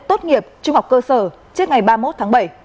tốt nghiệp trung học cơ sở trước ngày ba mươi một tháng bảy